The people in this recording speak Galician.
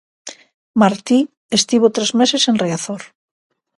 Martí estivo tres meses en Riazor.